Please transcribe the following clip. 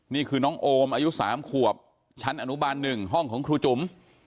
นี่คือน้องโอมอายุ๓ขวบชั้นอนุบาล๑ห้องของครูจุ๋ม